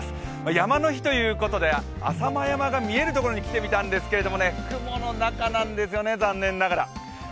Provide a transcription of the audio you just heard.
山の日ということで、浅間山が見えるところに来てみたんですが、雲の中なんですよね、残念ながら。